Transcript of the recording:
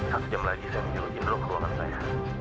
satu jam lagi saya menjelajahi ruangan saya